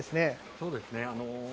そうですね。